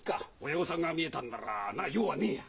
親御さんが見えたんなら用はねえや。